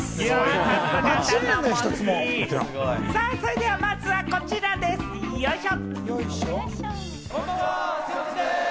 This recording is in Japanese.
さぁ、まずはこちらです、よいしょ！